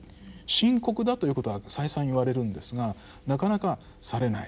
深刻だということは再三言われるんですがなかなかされない。